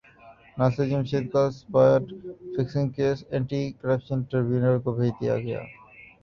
ناصر جمشید کا spot fixing case anti corruption tribunal کو بھیج دیاگیا